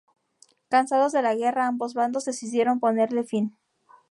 Cansados de la guerra, ambos bandos decidieron ponerle fin.